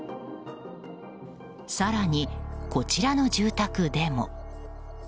更に、こちらの住宅でも。